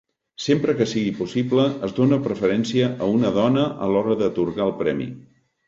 Sempre que sigui possible, es dona preferència a una dona a l'hora d'atorgar el premi.